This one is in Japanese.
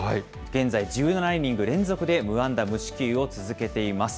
現在、１７イニング連続で無安打無四球を続けています。